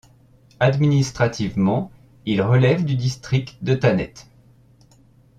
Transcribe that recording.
Administrativement, il relève du district de Thanet.